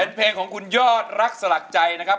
เป็นเพลงของคุณยอดรักสลักใจนะครับ